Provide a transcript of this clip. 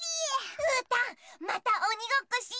うーたんまたおにごっこしよ！